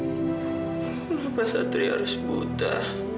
kenapa satria harus buta